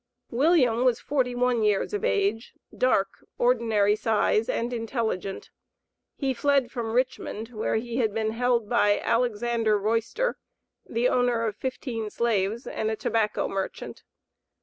William was forty one years of age, dark, ordinary size, and intelligent. He fled from Richmond, where he had been held by Alexander Royster, the owner of fifteen slaves, and a tobacco merchant.